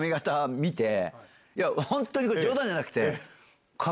本当にこれ冗談じゃなくて。